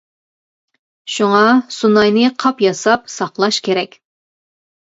شۇڭا، سۇناينى قاپ ياساپ ساقلاش كېرەك.